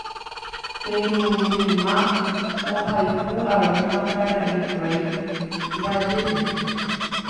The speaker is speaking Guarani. Perurima ohayhu aréma karai rey rajýpe.